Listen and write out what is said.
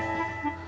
gak tau apalagi aku